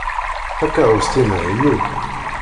Takeṛṛust-inna inu.